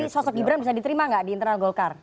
tapi sosok gibran bisa diterima gak di internal golkar